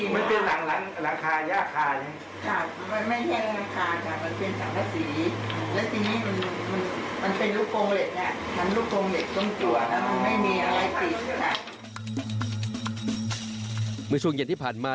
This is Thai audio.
เมื่อช่วงเย็นที่ผ่านมา